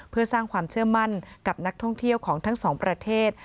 เพื่อสร้างความเชื่อมั่นกับนักท่องเที่ยวของทั้งสองประเทศ